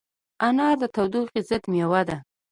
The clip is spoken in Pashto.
انار د تودوخې ضد مېوه ده.